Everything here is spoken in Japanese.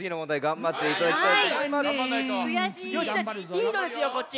リードですよこっち。